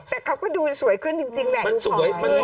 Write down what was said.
แต่เขาก็ดูสวยขึ้นจริงแหละอยู่ขอย